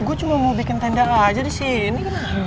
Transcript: gue cuma mau bikin tenda aja disini